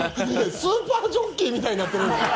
「スーパージョッキー」みたいになってる。